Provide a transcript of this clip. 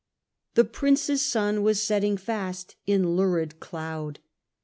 The Prince's sun was setting fast in lurid cloud.